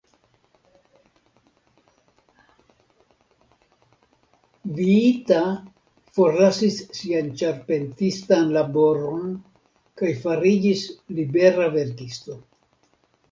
Viita forlasis sian ĉarpentistan laboron kaj fariĝis libera verkisto.